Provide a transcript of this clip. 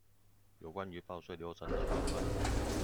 有關於報稅流程的部分